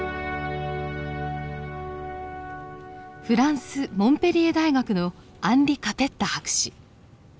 フランスモンペリエ大学のアンリ・カペッタ博士。